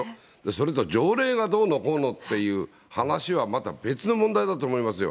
それと条例がどうのこうのっていう話はまた別の問題だと思いますよ。